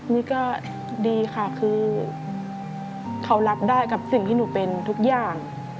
นี่ก็ดีค่ะคือเขารับได้กับสิ่งที่หนูเป็นทุกอย่าง